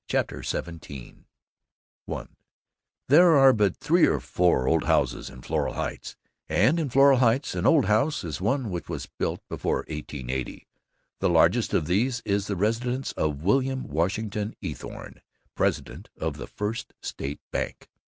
CHAPTER XVII I There are but three or four old houses in Floral Heights, and in Floral Heights an old house is one which was built before 1880. The largest of these is the residence of William Washington Eathorne, president of the First State Bank.